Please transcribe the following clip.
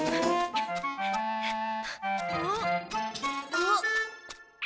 あっ。